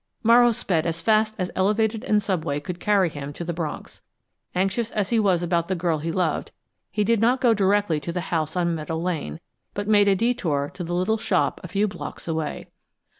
Morrow sped as fast as elevated and subway could carry him to the Bronx. Anxious as he was about the girl he loved, he did not go directly to the house on Meadow Lane, but made a detour to the little shop a few blocks away.